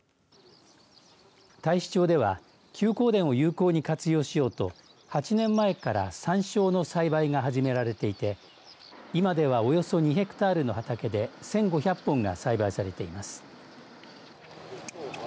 太子町では休耕田を有効に活用しようと８年前からさんしょうの栽培が始められていて今ではおよそ２ヘクタールの畑で１５００本が栽培されています。